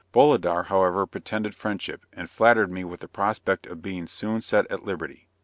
Bolidar, however, pretended friendship, and flattered me with the prospect of being soon set at liberty.